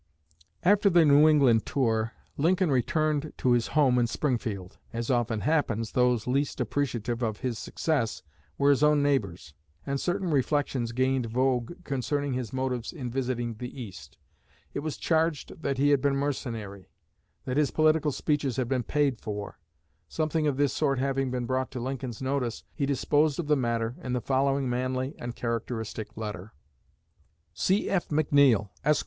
After the New England tour, Lincoln returned to his home in Springfield. As often happens, those least appreciative of his success were his own neighbors; and certain reflections gained vogue concerning his motives in visiting the East. It was charged that he had been mercenary; that his political speeches had been paid for. Something of this sort having been brought to Lincoln's notice, he disposed of the matter in the following manly and characteristic letter: C.F. McNEILL, ESQ.